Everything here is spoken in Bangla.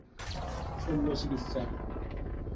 শল্য চিকিৎসা